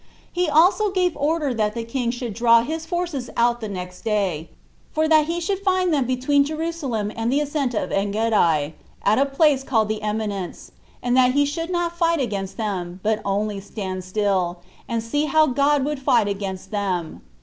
He also gave order that the king should draw his forces out the next day, for that he should find them between Jerusalem and the ascent of Engedi, at a place called The Eminence, and that he should not fight against them, but only stand still, and see how God would fight against them.